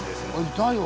いたよ。